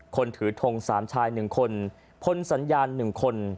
คนถือทงสามชายหนึ่งคนพลสัญญาณหนึ่งคน